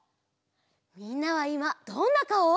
みんなはいまどんなかお？